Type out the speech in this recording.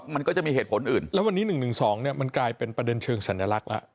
มันก็จะมีเหตุผลอื่นแล้ววันนี้๑๑๒มันกลายเป็นประเด็นเชิงสัญลักษณ์แล้ว